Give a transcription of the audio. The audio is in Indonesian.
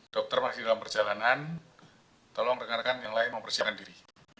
dokter masih dalam perjalanan tolong rekan rekan yang lain mempersiapkan diri